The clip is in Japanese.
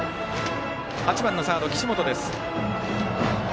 ８番のサード、岸本です。